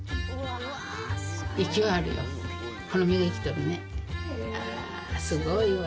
ああすごいわ。